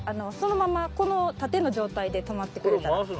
のままこの縦の状態で止まってくれたら。